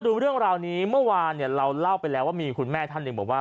ดูเรื่องราวนี้เมื่อวานเนี่ยเราเล่าไปแล้วว่ามีคุณแม่ท่านหนึ่งบอกว่า